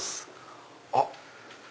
あっ！